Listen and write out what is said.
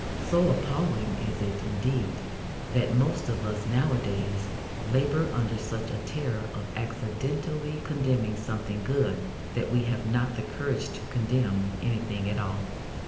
So appalling is it, indeed, that most of us nowadays labour under such a terror of accidentally condemning something good that we have not the courage to condemn anything at all.